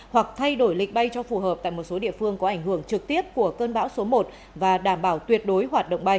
hoặc thay đổi lịch bay cho phù hợp tại một số địa phương có ảnh hưởng trực tiếp của cơn bão số một và đảm bảo tuyệt đối hoạt động bay